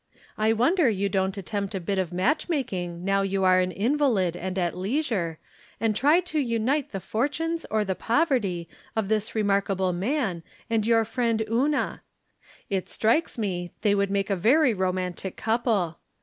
I wonder you don't attempt a bit of match making now you From Different Standpoints. 83 are an invalid and at leisure, and try to unite the fortunes or the poverty of this remarkable man and your friend Una. It strikes me they would make a very romantic couple.